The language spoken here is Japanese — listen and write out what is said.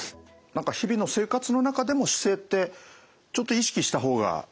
何か日々の生活の中でも姿勢ってちょっと意識した方がいいですね。